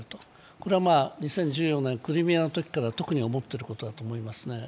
これは２０１４年クリミアのときから特に思っていることだと思います。